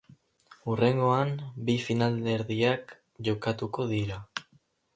Hurrengoan bi finalerdiak jokatuko dira.